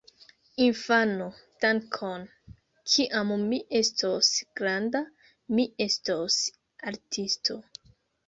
Infano: "Dankon! Kiam mi estos granda, mi estos artisto!"